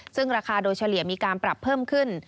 ซึ่งราคาโดยเฉลี่ยมีการปรับเพิ่มขึ้น